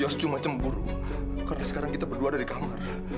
yos cuma cemburu karena sekarang kita berdua dari kamar